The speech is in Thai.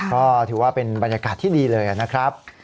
ก็ถือว่าเป็นบรรยากาศที่ดีเลยนะครับ